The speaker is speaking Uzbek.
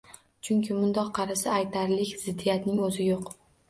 Chunki mundoq qarasa, aytarlik ziddiyatning o‘zi yo‘q.